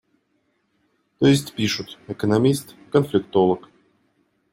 То есть пишут: «Экономист, конфликтолог».